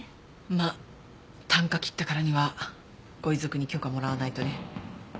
まあ啖呵切ったからにはご遺族に許可もらわないとね。